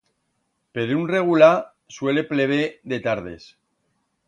Per un regular suele plever de tardes.